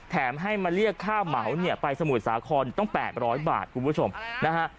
แถมให้มาเรียกค่าเหมาเนี่ยไปสมุทรสาครต้อง๘๐๐บาทคุณผู้ชมนะฮะ